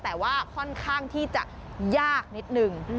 แต่ว่าค่อนข้างที่จะยากนิดนึง